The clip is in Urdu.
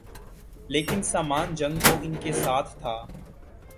لیکن سامان جنگ تو ان کے ساتھ تھا۔